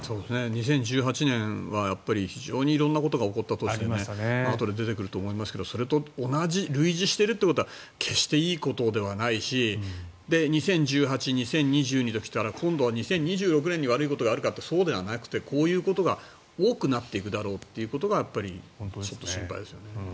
２０１８年は非常に色んなことが起こった年であとで出てくると思いますがそれと類似しているということは決していいことではないし２０１８年、２０２２年と来たら今度は２０２６年に悪いことがあるかというとそうではなくてこういうことが多くなっていくだろうということがちょっと心配ですよね。